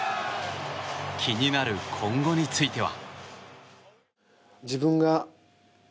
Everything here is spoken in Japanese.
気になる今後については。